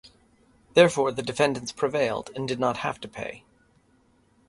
Therefore, the defendants prevailed, and did not have to pay.